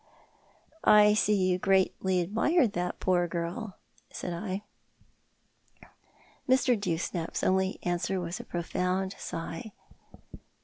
" I see you greatly admired that poor girl," said I. Mr. Dewsnap's only answer was a profound sigh.